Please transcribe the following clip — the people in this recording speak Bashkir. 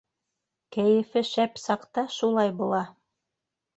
Кәйефе шәп саҡта шулай була.